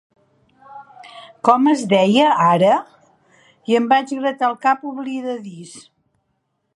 Com es deia ara?" I em vaig gratar el cap oblidadís.